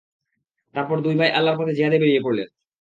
তারপর দুই ভাই আল্লাহর পথে জিহাদে বেরিয়ে পড়লেন।